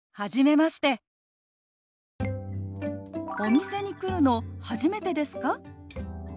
「お店に来るの初めてですか？」。